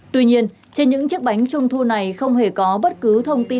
tuy nhiên trên những chiếc bánh trung thu này không hề có bất cứ thông tin